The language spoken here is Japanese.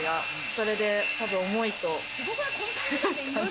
それで多分重いと。